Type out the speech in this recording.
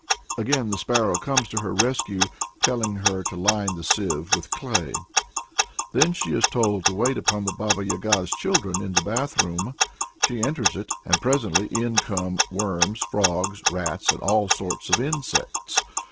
Again the sparrow comes to her rescue telling her to line the sieve with clay. Then she is told to wait upon the Baba Yaga's children in the bath room. She enters it, and presently in come "worms, frogs, rats, and all sorts of insects."